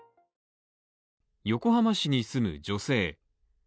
横浜市に住む女性。